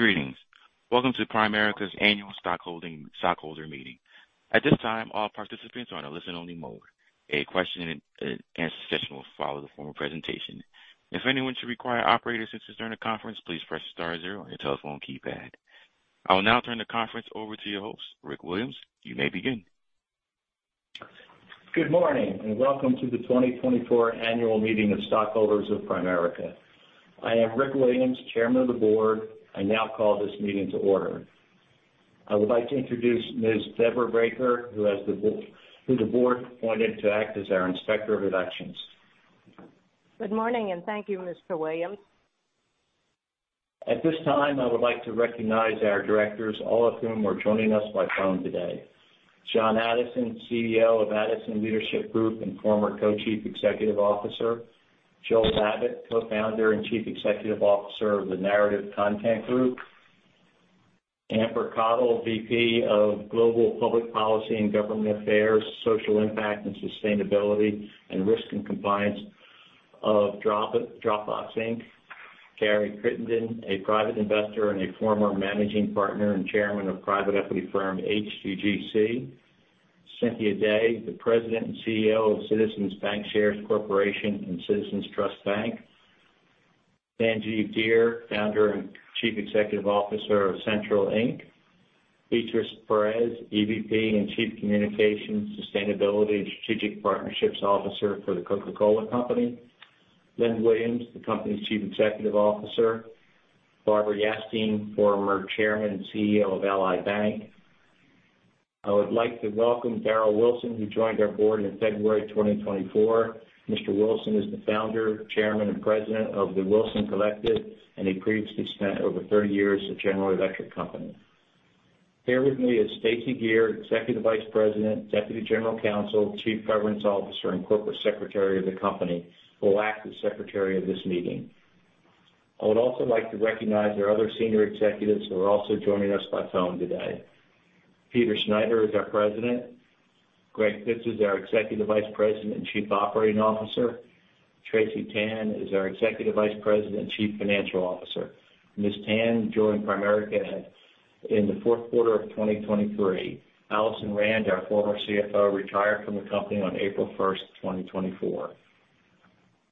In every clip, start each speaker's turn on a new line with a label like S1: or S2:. S1: Greetings. Welcome to Primerica's annual stockholder meeting. At this time, all participants are on a listen-only mode. A question and answer session will follow the formal presentation. If anyone should require operator assistance during the conference, please press star zero on your telephone keypad. I will now turn the conference over to your host, Rick Williams. You may begin.
S2: Good morning, welcome to the 2024 annual meeting of stockholders of Primerica. I am Rick Williams, chairman of the board. I now call this meeting to order. I would like to introduce Ms. Deborah Braker, who the board appointed to act as our Inspector of Elections. Good morning, and thank you, Mr. Williams. At this time, I would like to recognize our directors, all of whom are joining us by phone today. John Addison, CEO of Addison Leadership Group and former co-chief executive officer. Joel Babbitt, co-founder and chief executive officer of The Narrative Content Group. Amber Cottle, VP of Global Public Policy and Government Affairs, Social Impact and Sustainability and Risk and Compliance of Dropbox Inc. Gary Crittenden, a private investor and a former managing partner and chairman of private equity firm HGGC. Cynthia Day, the president and CEO of Citizens Bancshares Corporation and Citizens Trust Bank. Sanjeev Dheer, founder and chief executive officer of CENTRL Inc. Beatriz Perez, EVP and chief communications, sustainability, and strategic partnerships officer for The Coca-Cola Company. Glenn Williams, the company's chief executive officer. Barbara Yastine, former chairman and CEO of Ally Bank. I would like to welcome Darryl Wilson, who joined our board in February 2024. Mr. Wilson is the founder, chairman, and president of The Wilson Collective, and he previously spent over 30 years at General Electric Company. Here with me is Stacey Geer, executive vice president, deputy general counsel, chief governance officer, and corporate secretary of the company, who will act as secretary of this meeting. I would also like to recognize our other senior executives who are also joining us by phone today. Peter Schneider is our president. Greg Pitts is our executive vice president and chief operating officer. Tracy Tan is our executive vice president and chief financial officer. Ms. Tan joined Primerica in the fourth quarter of 2023. Alison Rand, our former CFO, retired from the company on April 1st, 2024.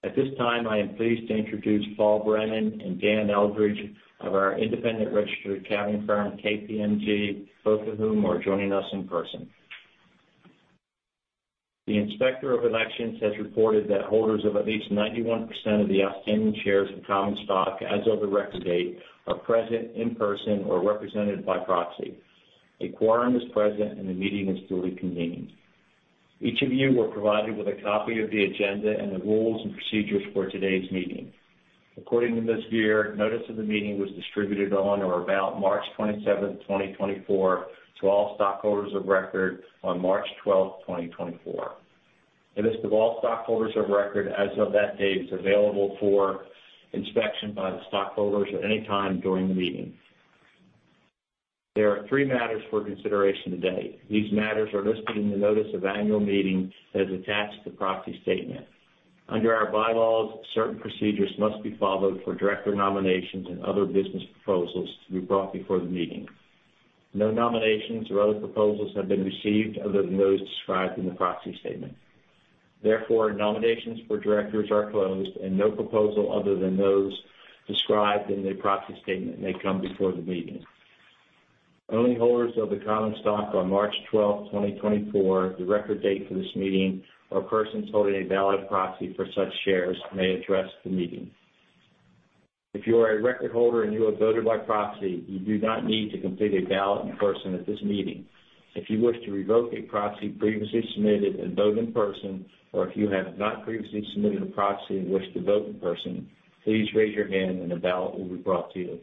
S2: At this time, I am pleased to introduce Paul Brennan and Dan Eldridge of our independent registered accounting firm, KPMG, both of whom are joining us in person. The Inspector of Elections has reported that holders of at least 91% of the outstanding shares of common stock as of the record date are present in person or represented by proxy. A quorum is present, and the meeting is duly convened. Each of you were provided with a copy of the agenda and the rules and procedures for today's meeting. According to Ms. Geer, notice of the meeting was distributed on or about March 27th, 2024, to all stockholders of record on March 12th, 2024. A list of all stockholders of record as of that date is available for inspection by the stockholders at any time during the meeting. There are three matters for consideration today. These matters are listed in the notice of annual meeting that is attached to the proxy statement. Under our bylaws, certain procedures must be followed for director nominations and other business proposals to be brought before the meeting. No nominations or other proposals have been received other than those described in the proxy statement. Therefore, nominations for directors are closed and no proposal other than those described in the proxy statement may come before the meeting. Only holders of the common stock on March 12, 2024, the record date for this meeting, or persons holding a valid proxy for such shares may address the meeting. If you are a record holder and you have voted by proxy, you do not need to complete a ballot in person at this meeting. If you wish to revoke a proxy previously submitted and vote in person, or if you have not previously submitted a proxy and wish to vote in person, please raise your hand and a ballot will be brought to you.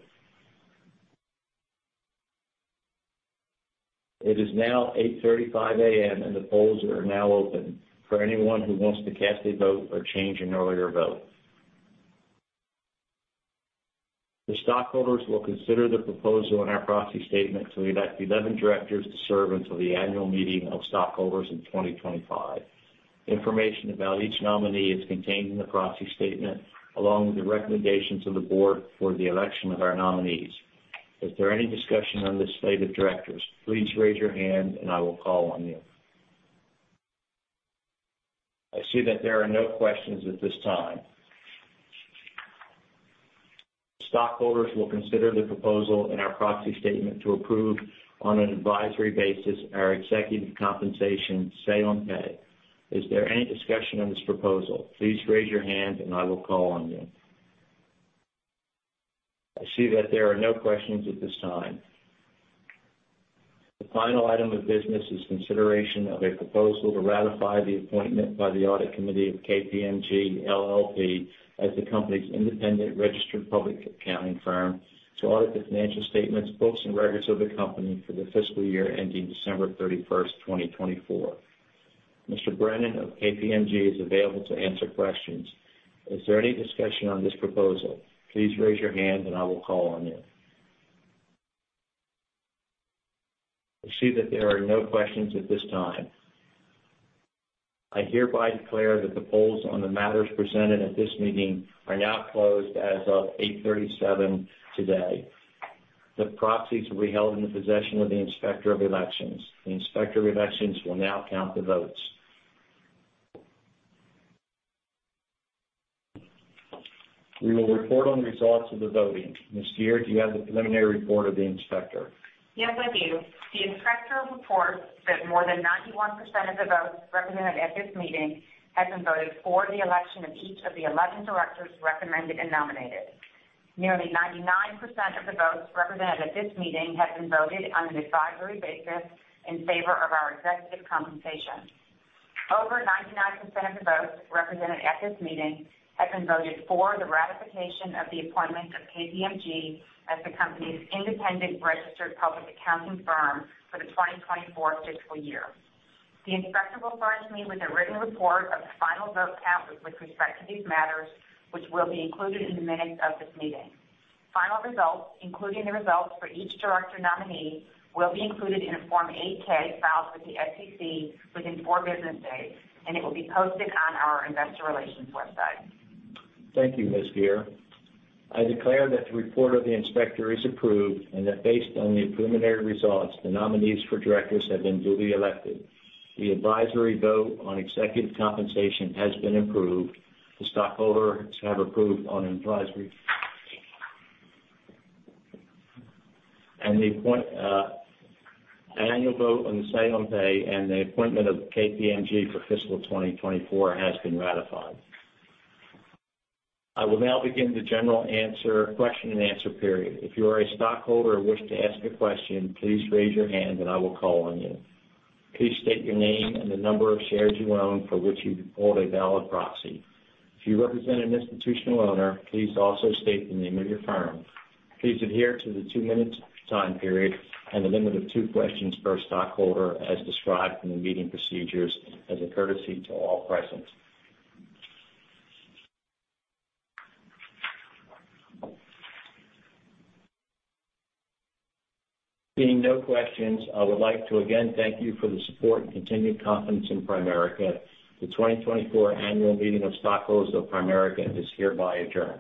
S2: It is now 8:35 A.M. and the polls are now open for anyone who wants to cast a vote or change an earlier vote. The stockholders will consider the proposal in our proxy statement to elect 11 directors to serve until the annual meeting of stockholders in 2025. Information about each nominee is contained in the proxy statement, along with the recommendations of the board for the election of our nominees. Is there any discussion on the slate of directors? Please raise your hand and I will call on you. I see that there are no questions at this time. Stockholders will consider the proposal in our proxy statement to approve, on an advisory basis, our executive compensation say on pay. Is there any discussion on this proposal? Please raise your hand and I will call on you. I see that there are no questions at this time. The final item of business is consideration of a proposal to ratify the appointment by the Audit Committee of KPMG LLP as the company's independent registered public accounting firm to audit the financial statements, books, and records of the company for the fiscal year ending December 31, 2024. Mr. Brennan of KPMG is available to answer questions. Is there any discussion on this proposal? Please raise your hand and I will call on you. I see that there are no questions at this time. I hereby declare that the polls on the matters presented at this meeting are now closed as of 8:37 A.M. today. The proxies will be held in the possession of the Inspector of Elections. The Inspector of Elections will now count the votes. We will report on the results of the voting. Ms. Geer, do you have the preliminary report of the inspector?
S3: Yes, I do. The inspector reports that more than 91% of the votes represented at this meeting have been voted for the election of each of the 11 directors recommended and nominated. Nearly 99% of the votes represented at this meeting have been voted on an advisory basis in favor of our executive compensation. Over 99% of the votes represented at this meeting have been voted for the ratification of the appointment of KPMG as the company's independent registered public accounting firm for the 2024 fiscal year. The inspector will furnish me with a written report of the final vote count with respect to these matters, which will be included in the minutes of this meeting. Final results, including the results for each director nominee, will be included in a Form 8-K filed with the SEC within four business days, and it will be posted on our investor relations website.
S2: Thank you, Ms. Geer. I declare that the report of the inspector is approved, and that based on the preliminary results, the nominees for directors have been duly elected. The advisory vote on executive compensation has been approved. The stockholders have approved on an advisory. The annual vote on the say on pay and the appointment of KPMG for fiscal 2024 has been ratified. I will now begin the general question and answer period. If you are a stockholder and wish to ask a question, please raise your hand and I will call on you. Please state your name and the number of shares you own for which you hold a valid proxy. If you represent an institutional owner, please also state the name of your firm. Please adhere to the two-minute time period and the limit of two questions per stockholder as described in the meeting procedures as a courtesy to all present. Seeing no questions, I would like to again thank you for the support and continued confidence in Primerica. The 2024 annual meeting of stockholders of Primerica is hereby adjourned.